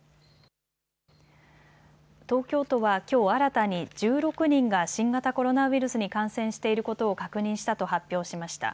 東京都はきょう新たに１６人が新型コロナウイルスに感染していることを確認したと発表しました。